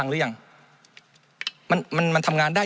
มันตรวจหาได้ระยะไกลตั้ง๗๐๐เมตรครับ